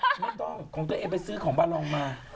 ไม่ต้องของตัวเองไปซื้อของบาลองมา